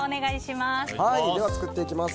では作っていきます。